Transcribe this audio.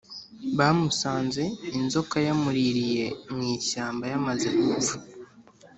Bamusanze inzoka yamuririye mu ishyamba yamaze gupfa